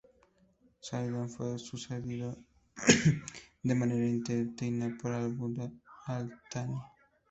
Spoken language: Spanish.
Zeidan fue sucedido de manera interina por Abdullah al-Thani.